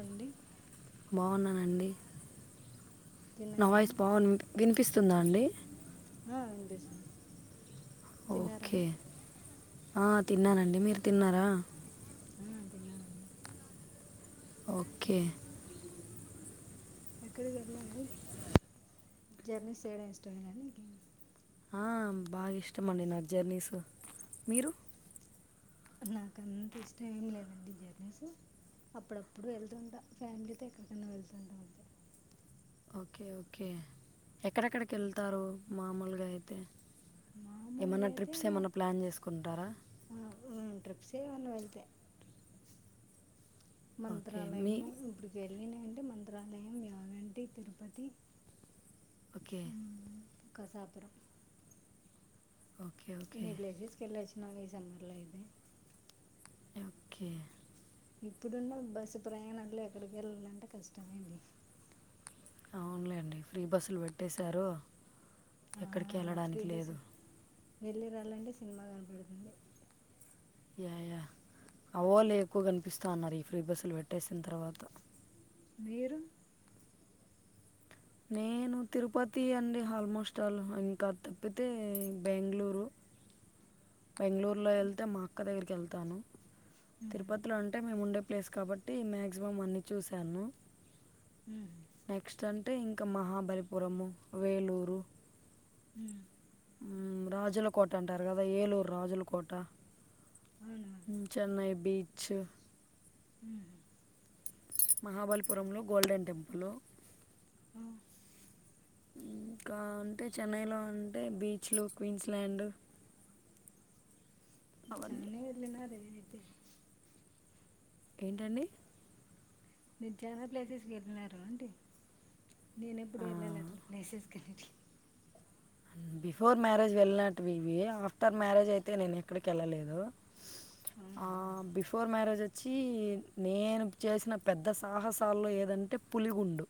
అండి బాగున్నానండి. తిన్నారా నాయిస్ బావ్ వినిపిస్త్. స్తుందా అండి. ఆ విన్పిస్త్. ఓకే ఆ తిన్ననండి మీరు తిన్నారా. ఆ తిన్నానండి. ఓకే. ఎక్కడికి వెళ్లా, జర్నీస్ చెయ్యడం ఇష్టమే కానీ. ఆ బాగా ఇష్టం అండి నాక్ జర్నీస్ మీరు. నాకంత ఇష్టం ఏమి లేదండి జర్నీస్, అప్పుడప్పుడు వెళ్తుంటా, ఫ్యామిలీతో ఎక్కడికన్నా వెళ్తుంటా అంతే. ఓకే ఓకే ఎక్కడెక్కడికి వెళ్తారు మామూలుగా అయితే. మామూలుగా ఏమన్నా అయితే ట్రిప్స్ ఏమన్నా ప్లాన్ చేసుకుంటారా. కేమన్న వెళ్తే. ఓకే మీ మంత్రాలయము గుడికెళ్ళి. నండి మంత్రాలయయం, యాగంటి, తిరుపతి. ఓకే ఉమ్మ్ కసాపురం. Okay okay villages కెళ్లొచ్చిన్. [unintelligible] ఇది. ఓకే. ఇప్పుడున్న బస్సు ప్రయాణంలో ఎక్కడికి వెళ్ళాలంటే కష్టమేండి. అవున్లేండి ఫ్రీ బస్సులు పెట్టేశారు. ఎక్కడికి ఎళ్ళడానికి లేదు. వెళ్ళిరాలంటే సినిమా కనపడుతుంది. యాయా అవల్లే ఎక్కువ కనిపిస్తా ఉన్నారు, ఈ ఫ్రీ బస్సులు పెట్టేసిన తర్వాత. మీరు. నేను తిరుపతి అండి, హల్మోస్టల్ ఇంకా తప్పితే బెంగళూరు. బెంగళూరు లో ఎళ్తే మా అక్క దగ్గరికి వెళ్తాను. తిరుపతిలో అంటే మేము ఉండే. ప్లేస్ కాబట్టి మాక్సిమం అన్నీ చూశాను. ఉమ్, నెక్స్ట్ అన్. అంటే ఇంకా మహాబలిపురము, వేలూరు. ఉమ్. ఉమ్మ్ రాజుల కోట అంటారు కదా ఏలూర్. రాజులకోట. అవునవును హుమ్మ్ చెన్నై బీ. చ్చ్ హుమ్మ్ మహాబలిపురంలో గోల్డెన్ టెంపులు. ఆ ఇంకా అంటే చెన్నైలో అంటే బీచ్లు క్వీన్స్ ల్యాండ్ జాని వెళ్లిన రే రే తేజ్ ఏంటండి మీరు చాలా ప్లేసెస్ వెళ్ళినారు అండి నేను ఎప్పుడుూ వెళ్ళల ఆ, అట్ల ప్లేసెస్ కనేటి బిఫోర్ మ్యారేజ్ వెళ్ళినట్టువి ఇవి ఆఫ్టర్ మ్యారేజ్ అయితే నేను ఎక్కడికి వెళ్ళలేదు ఆ అవునా బిఫోర్ మ్యారేజే త్ వచ్చి నేను చేసిన పెద్ద సాహసాల్లో ఏదంటే పులిగుండు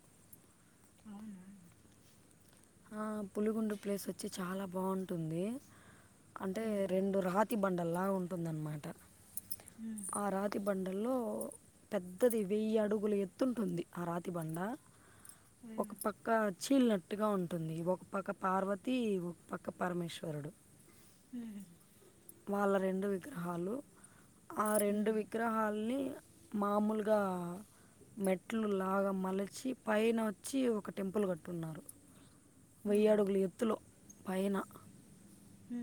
అవునా ఆ పులిగుండు ప్లేస్ వచ్చి చాలా బాగుంటుంది అంటే రెండు రాతి బండ అల్లా ఉంటుందన్మాట ఉమ్, ఆ రాది బండల్లో పెద్దది వెయ్యి అడుగులు ఎత్తుంటుంది ఆ రాతి బండ ఆ, ఒక పక్క చీలినట్టుగా ఉంటుంది ఒక పక్క పార్వతి ఒక పక్క పరమేశ్వరుడు వాళ్ళ రెండు విగ్రహాలు ఆ రెండు ఉమ్, విగ్రహాలని మామూలుగా మెట్లు లాగా మలిచి పైన వచ్చి ఒక టెంపుల్ కట్టున్నారు ఆహా, వెయ్యడుగుల ఎత్తులో పయైన హ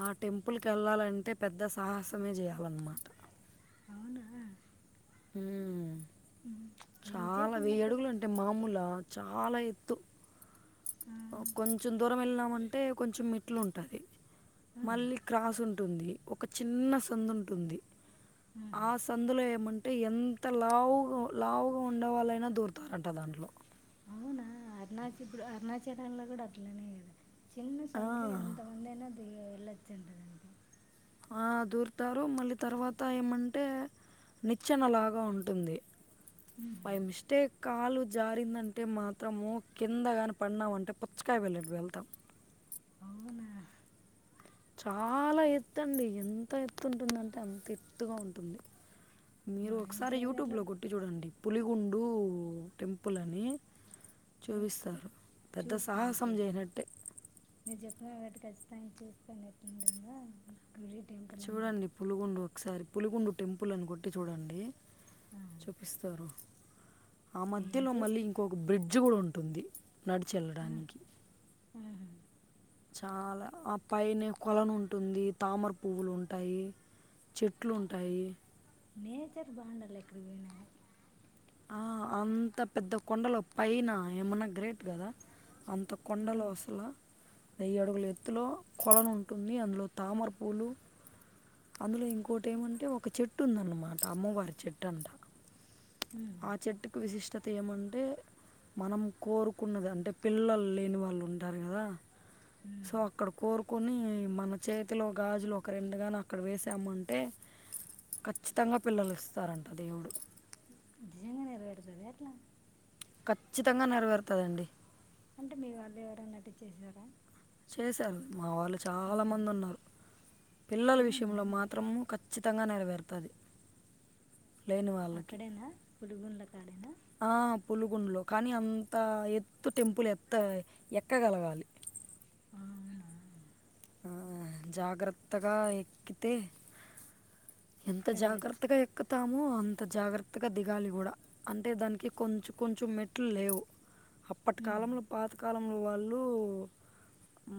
ఆ టెంపుల్కి వెళ్ళాలంటే పెద్ద సాహసమే చేయాలన్నమాట అవునా హ ఉమ్, చాలా ఎంతసేపు వెయ్యి ఉన్నట్టే అడుగులు అంటే మామూలా చాలా ఎత్తు ఆ, కొంచెం దూరం వెళ్ళినామంటే కొంచెం మెట్లు ఉంటుంది ఆహా, మళ్ళీ క్రాస్ ఉంటుంది ఒక చిన్న సందు ఉంటుంది ఆహా. ఆ సందులో ఏమంటే ఎంత లావుగా లావుగా ఉండేవాళ్ళైనా దూరుతారంట దాంట్లో అరుణాచప్పుడు అరుణాచలంలో కూడా అట్లనే కదా చిన్న ఆ! సందులో ఎంత మందైనా అ వెళ్ళొచ్చంటదంట ఆ దూర్తారు మళ్ళీ తర్వాత ఏమంటే నిచ్చెనలాగా ఉంటుంది ఉమ్, బై్ మిస్టేక్ కాలు జారిందంటే మాత్రము కిందగాని పడినామంటే పుచ్చకాయ వెళినట్ట పెళ్తాం అవునా చాలా ఎత్తు అండి ఎంత ఎత్తుంటుందంటే అంత ఎత్తుగా ఉంటుంది మీరు మా ఒకసారి ఇంట్లో ఏదో యూట్యూబ్ అట్లా లో కొట్టి చూడండి పులి ఉండు టెంపుల్ అని ఓకే. చూపిస్తారు పెద్ద సాహసం చేయనట్టే మీరు చెప్పిన కాబట్టి ఖచ్చితంగా చూస్తాను ఎట్లుంటుందో గుడి టెంపుల్ అంతా చూడండి పులిగుండు ఒకసారి పులిగుండు టెంపుల్ అని కొట్టి చూడండి ఆ, చూపిస్తారు ఆ ఏం మధ్యలో మళ్ళీ చెప్పు ఇంకొక బ్రిడ్జ్ కూడా ఉంటుంది ఉంటుంది నడిచి ఆ, వెళ్ళడానికి ఆహా. చాలా ఆ పైనె కొలను ఉంటుంది తామర పువ్వులు ఉంటాయి చెట్లు ఉంటాయి నేచర్ బాగుండాలి ఎక్కడికి పోయిన గాని ఆ అంత పెద్ద కొండలో పైన ఏమన్నా గ్రేట్ కదా అంత కొండలు అవును అసల వెయ్యి అడుగులు ఎత్తులో కొళను ఉంటుంది. అందులో తామరపూలు, అందులో ఇంకోటి ఏమంటే ఒక చెట్టు ఉందన్నమాట అమ్మవారి చెట్టు అంట హుమ్ ఆ చెట్టుకు విశిష్టత ఏమంటే, మనం కోరుకున్నది అంటే పిల్లలు లేని వాళ్ళు ఉంటారు కదా సో ఉమ్. అక్కడ కోర కొ ఉమ్ మన చేతిలో గాజులు ఒక రెండుగానీ అక్కడ వేసామంటే ఖచ్చితంగా పిల్లలు ఇస్తారంట దేవుడు నిజంగానే నెరవేరుతాదా ఎట్లా ఖచ్చితంగా నెరవేరుతదండి అంటే మీ వాళ్ళు ఎవరన్నట్టు చేసారా చేశారు మా వాళ్ళు చాలా ఆహా మంది ఉన్నారు పిల్లల అవునా విషయంలో మాత్రము ఖచ్చిత తంగా నెరవేరుతుంది లేని అక్కడేనా పుడిగుండాల డేనా ఆ పులుగుండ్లలో కానీ అంత ఎత్తు టెంపుల్ ఎత్త ఎక్కగలగాలి అవునా ఆ జాగ్రత్తగా ఎక్కితే ఎంత వెళ్ళొచ్చు జాగ్రత్తగా ఎక్కుతామో అం అంత జాగ్రత్తగా దిగాలి కూడా అంటే దానికి కొంచ్ కొంచం మెట్లు లేవ్ అప్పటి కాలంలో పాత కాలం ఉమ్ వాళ్ళు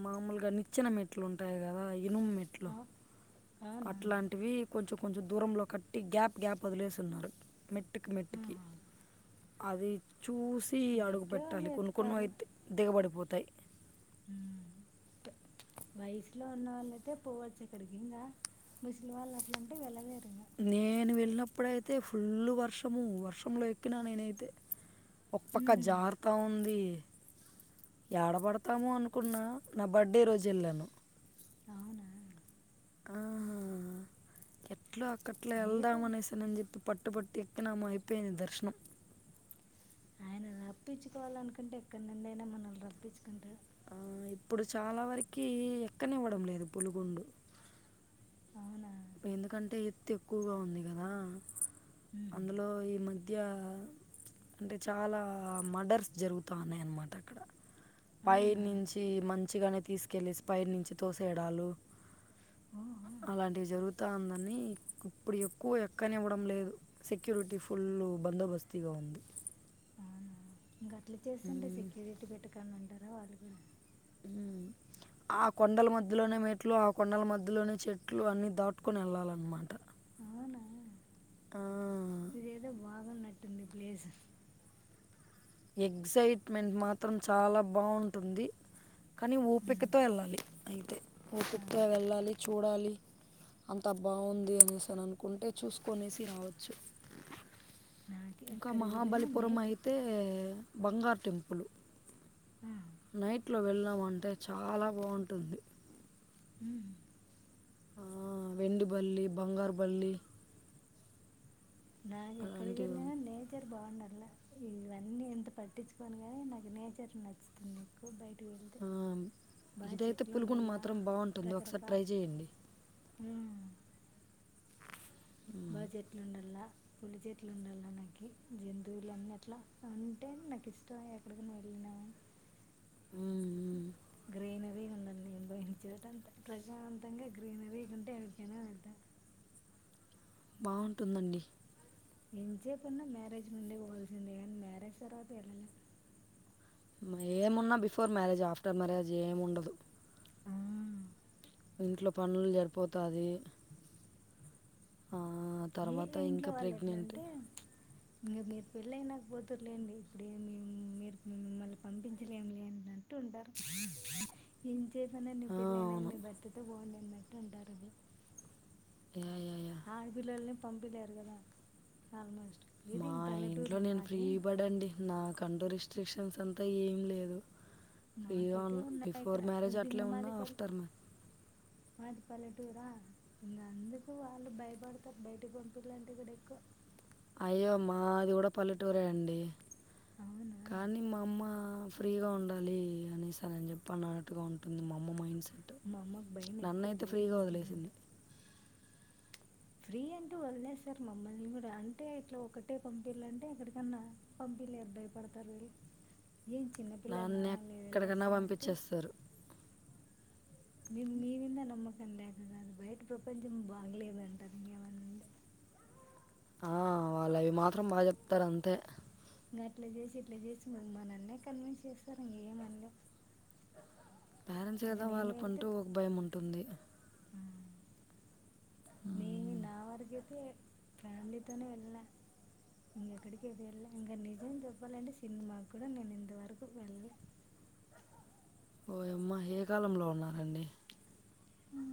మామలుగా నిచ్చన మెట్లు మెట్లు ఉంటాయి కదా ఇనుము మెట్లు అవు- అవునవును అట్లాంటివి కొంచెం కొంచెం దూరంలో కట్టి గ్యాప్ గ్యాప్ వదిలేసిన్నారు మెట్టుకి మెట్టుకి ఆహా. అవి చూసి అడుగు ఎక్కే వాళ్ళు పెట్టాలి కొన్ని కొన్ని ఎక్కుతారు అయితే దిగబడిపోతాయి వయసులో ఉన్న వాళ్ళయితే పోవచ్చు ఇక్కడికి ముసలి వాళ్ళు అట్లంటే వెళ్ళలేరు. ఇంకా నేను వెళ్ళినప్పుడైతే ఫుల్లు వర్షము వర్షంలో ఎక్కినా నేనైతే ఒక పక్క ఉమ్. జారతా ఉంది. ఎడబడతామో అనుకున్న నా బర్త్డే రోజు ఎల్లాము. అవునా ఆ అట్లా అక్కట్లో లేదా వెళ్దాము అనేసానని చెప్పి పట్టుబట్టి ఎక్కినాము అయిపోయింది దర్శనం. ఆయన రప్పించుకోవాలనుకుంటే ఎక్కడి నుండి అయినా మనల్ని రప్పించుకుంటారు. ఆ ఇప్పుడు చాలా వరకి ఎక్కనివ్వడం లేదు. పులిగొండ్ల అవునా ఎందుకంటే ఎత్తు ఎక్కువగా ఉంది గదా. ఉమ్. అందులో ఈ మ మధ్య అంటే చాలా మర్డర్స్ జరుగుతా ఉన్నాయన్నమాట అక్కడ పై అవునా నుంచి మంచిగనే తీసుకెళ్ళి స్పైనుంచి తోసేయడాలు ఓహో అలాంటివి జరుగు వతాందని ఇప్పుడు ఎక్కువ ఎక్కనివ్వడం లేదు. సెక్యూరిటీ ఫుల్లు బందోబస్తుగా ఉంది. ఇంకా అట్లు చేసండి సెక్యూరిటీ పెట్టటుకనండి ంటరావళగు ఆ కొండల మధ్యలోనే మెట్లు ఆ కొండల మధ్యలోనే చెట్లు అన్ని దాటుకొని వెళ్ళాలన్నమాట. అవునా ఇద ఏదో బాగాం న పటింది బ్లేజర్ ఎగ్జైట్మెంట్ మాత్రం చాలా బావుంటుంది. కాని ఉమ్, ఓపికతో వెళ్ళాలి. అయితే ఆహా. ఓపిగ్గా వెళ్ళాలి. చూడాలి. అంత బావుంది అనేసి అని అనుకుంటే చూసుకునేసి రావచ్చు. నాకు ఇంకా ఎక్కడికి మహాబలి వెళ్ళినా పురం నేచర్ అయితే బంగారు టెంపులు నైట్లో వెళ్ళాం అంటే చాలా బావుంటుంది. హ ఆ వెండి బల్లి బంగారు బల్లి నాకు ఎక్కడికి అలాంటివి. వెళ్ళినా నేచర్ బావుండాలి. ఇవన్నీ ఎంత పట్టించుకోని నాకు నేచర్ నచ్చుతుంది. వెళ్తే హ్మ్ బాగా ఇదైతే చెట్లు పులిగుండ ఉండాలా మాత్రం బావుంటుంది. ఒకసారి రకరకాల ట్రై చేయండి. ఉమ్. హ్మ్. బాగా చెట్లు ఉండాల పులి చెట్లు ఉండాల నాకు జంతువులు అన్ని అట్లా ఉంటే నాకు ఇష్టం ఎక్కడికనా వెళ్ళినా హ్మ్ మ్మ్ గ్రీనరీ ఉండండి నేను వెళ్ళిన చోట అంత ప్రశాంతంగా గ్రీనరీ ఉంటే ఎవడికైనా వెళ్తాను బాగుంటుందండి ఎం చెేప్పన్న మ్యారేజ్ ముందే పోవాల్సిందే కానీ మ్యారేజ్ తర్వాత వెళ్లలేం ఏమున్నా బిఫోర్ మ్యారేజ్ ఆఫ్టర్ మ్యారేజ్ ఏముండదు ఆ ఇంట్లో పనులు సరిపోతది ఏ తర్వాత ఇంట్లో ఇంకా వాళ్ళు ప్రెగ్నెంట్ ఎట్లాంటే ఇంక మీరు పెళ్ళై నాకు పోతారులేండి ఇప్పుడ మీరు మిమ్మల్ని పంపించలేం లే అంటారు ఉంటారు ఏం చెపూ ఐనంక నీ పెళ్ళయినాక అవును నీ భర్త తో పోండి అట్ టారువ య ఆడపిల్లలని పంపిలేరు కద ఆల్మోస్ట్ ఇది మా ఇంట్లో పల్లెటూర్లు నేను ఫ్రీ మాది బర్డ్ అండి నా కంటు రెస్ట్రిక్ రెస్ట్రిక్షన్స్ అంత ఏం లేదు ఫ్రీగా మాకైతే ఉన్నా ఉన్నాయి ఇక్కడ బిఫోర్ మ్యారేజ్ అట్లే ఉన్నా ఆఫ్టర్ మ మాదిప ల్లెటూరా ఇంకా అందుకు వాళ్ళు భయపడతారు బయటకి పంపిలంటే కూడా ఎక్కువ అయ్యో మాది కూడ పల్లెటూరే అండి అవునా కానీ మా అమ్మ ఫ్రీగా ఉండాలి అని సార్ నేను చెప్పాను అన్నట్టుగా ఉంటుంది మా అమ్మ మైండ్ సెట్ మా అమ్మకు భయైన ఎక్కువ నన్నైతే బయటకు ఫ్రీగా పంపియాలంటే వదిలేసింది ఫ్రీ అంటూ వళ్ళలే సార్ మమ్మల్ని కూడ అంటే ఇట్ల ఒక్కటే పంపిల్ల అంటే ఎక్కడికన్నా పంపిలేరు భయపడతారు వీళ్ళు ఏం చిన్న నన్ను వాళ్ళువ ఎక్కడికన్నా వెళ్ళిస్తామంటే పంపించేస్తారు ని మీవింద నమ్మకంలేక కాదు బయట ప్రపంచం బాగలేదంటది ఇంక ఏమన్న అంటే ఆ వాళ్ళు అవి మాత్రం బాగా చెప్తరు అంతే ఇంకా అట్ల చేసి ఇట్ల చేసి మనల్నే కన్విన్స్ చేస్తరు ఇంక ఏమనలేం పేరెంట్స్ కద వాళ్ళకుంటూ ఒక భయం ఉంటుంది నీ నా వారికైతే ఫ్యామిలీతోనే వెళ్ళా ఇంకెక్కడికిది వెళ్ళా ఇంకా నిజం చెప్పాలంటే సినిమాకు కూడా నేను ఇంతవరకు వెళ్ళ ల్యా ఓయమ్మా ఏ కాలంలో ఉన్నారండి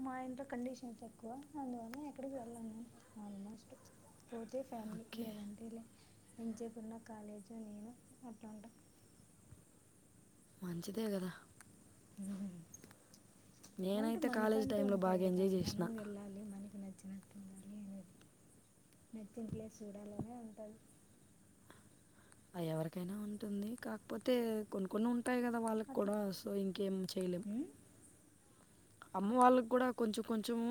మా ఇంట్లో కండిషన్స్ ఎక్కువ అందువల్ల ఎక్కడికి వెళ్ళను ఆల్మోస్ట్ పోతే ఫ్యామిలీ ఓకే లేదంటే లే ఎన్సేపు ఉన్న కాలేజు నేను అంతే మంచిదే కద హమ్ అంటే నేనైతే కాలేజ్ మనకంటూ టైంలో ఉంటాయి బాగా కద ఎంజాయ్ మనం చేసిన వెళ్ళాలి మనకి నాకు నచ్చినట్టు ఉండాలి అనేది నచ్చిన ప్లేస్ చూడలనే ఉంటది అ ఎవరికైనా ఉంటుంది కాకపోతే కొనుక్కని ఉం ఉంటాయి కద వాళ్ళకి కూడ అట్లా సో ఇంకేం చేయలేం ఉమ్, అమ్మ వాళ్ళకి కూడా కొంచెం కొంచెము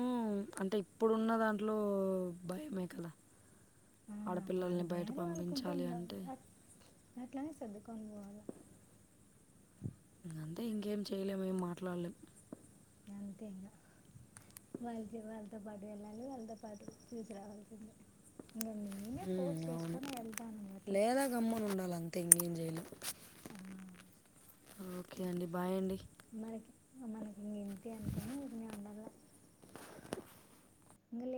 అంటే ఇప్పుడున్న దాంట్లో భయమే కదా ఆ, వాళ్ళ ఆడపిల్లల్ని బయట భయాలు పంపించాలి అంటే నాట్లానేే సర్దుకోం అంతే ఇంకేం చేయలేం ఏం మాట్లాడలేం అంతే ఇంగ వాళ్ళ వాళ్ళతో పాటు వెళ్ళాలి వాళ్ళతో పాటు చూసి రావాల్సిందే ఇంకా నేనే ఉ ఫోర్స్ అవును చేసుకొని వెళ్తాను ఇంక అట్లే లేదా గమ్మని ఉండాలి అంతే ఇంగి లేం ఆ ఓకే అండి బాయ్ అండి మనకి మనకి ఇంతే అనుకొని ఇట్నే ఉండాల ఇంగ లే